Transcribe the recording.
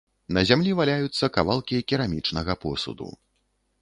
На зямлі валяюцца кавалкі керамічнага посуду.